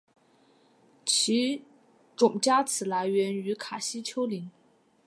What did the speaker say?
其种加词来源于卡西丘陵。